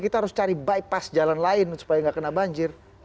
kita harus cari bypass jalan lain supaya nggak kena banjir